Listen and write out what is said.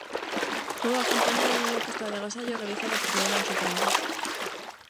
Todo acompañado dunha postal de agasallo realizada por Miguelanxo Prado.